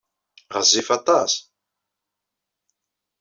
Ɣezzif aṭas.